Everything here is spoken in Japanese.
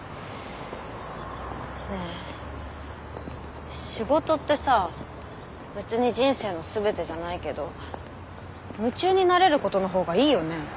ねえ仕事ってさ別に人生の全てじゃないけど夢中になれることの方がいいよね？